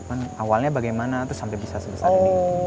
kan awalnya bagaimana terus sampai bisa sebesar ini